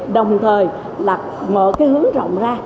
đồng thời là mở cái hướng rộng ra